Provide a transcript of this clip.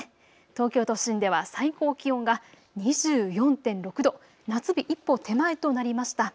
東京都心では最高気温が２４．６度、夏日一歩手前となりました。